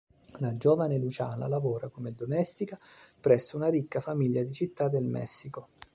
La giovane Luciana lavora come domestica presso una ricca famiglia di Città del Messico.